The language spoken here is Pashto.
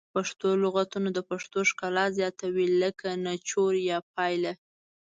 پښتو لغتونه د پښتو ښکلا زیاتوي لکه نچوړ یا پایله